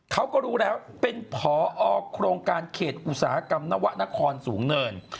เขาก็รู้แล้วเป็นผอโครงการเขตอุตสาหกรรมนวะนครสูงเนิน